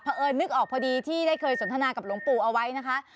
เพราะเอิญนึกออกพอดีที่ได้เคยสนทนากับหลวงปู่เอาไว้นะคะ